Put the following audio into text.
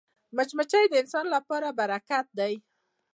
مچمچۍ د انسان لپاره برکت ده